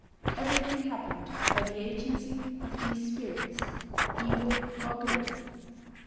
Everything happened by the agency of these spirits evil or good.